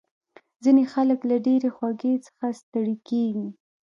ځینې خلک له ډېرې خوږې څخه ستړي کېږي.